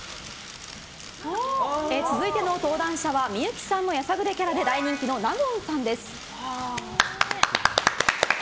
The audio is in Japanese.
続いての登壇者は、薄幸さんのやさぐれキャラで大人気の納言さんです。